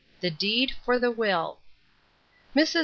"THE DEED FOR THE WILL." MRS.